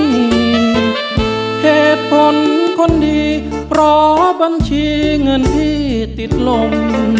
เหตุผลคนดีเพราะบัญชีเงินพี่ติดลง